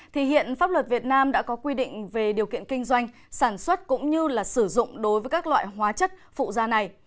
thì hiện pháp luật việt nam đã có quy định về điều kiện kinh doanh sản xuất cũng như là sử dụng đối với các loại hóa chất phụ da này